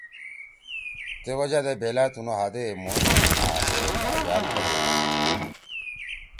تے وجہ دے بیلأ تُنو ہادے موئی آں ہے نھأجأل بش ہودُو۔